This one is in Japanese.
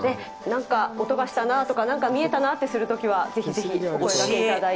何か音がしたなとか、何か見えたなってするときはぜひぜひ、お声がけいただいて。